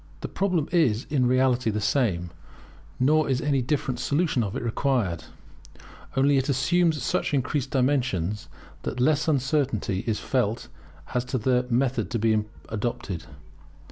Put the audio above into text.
The problem is in reality the same, nor is any different solution of it required; only it assumes such increased dimensions, that less uncertainty is felt as to the method to be adopted.